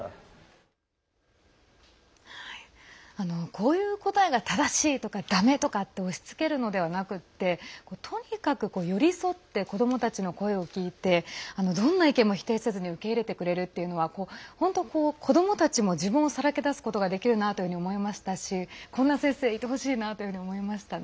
こういう答えが正しいとかだめとか押しつけるのではなくとにかく寄り添って子どもたちの声を聞いてどんな意見も否定せずに受け入れてくれるっていうのは本当、子どもたちも自分をさらけ出すことができるなと思いましたしこんな先生いてほしいなというふうに思いました。